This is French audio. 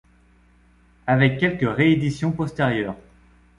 Avec quelques rééditions postérieures...